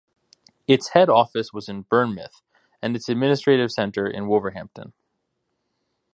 Its head office was in Bournemouth and its administration centre in Wolverhampton.